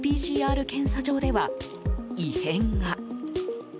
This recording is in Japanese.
ＰＣＲ検査場では、異変が。